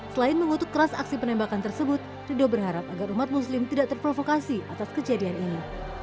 selain mengutuk keras aksi penembakan tersebut ridho berharap agar umat muslim tidak terprovokasi atas kejadian ini